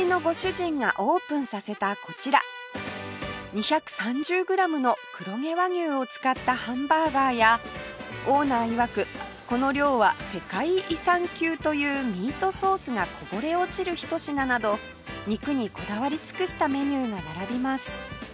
２３０グラムの黒毛和牛を使ったハンバーガーやオーナーいわくこの量は世界遺産級というミートソースがこぼれ落ちるひと品など肉にこだわり尽くしたメニューが並びます